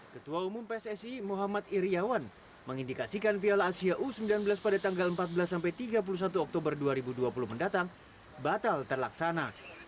ketua umum pssi muhammad iryawan mengindikasikan piala asia u sembilan belas pada tanggal empat belas sampai tiga puluh satu oktober dua ribu dua puluh mendatang batal terlaksana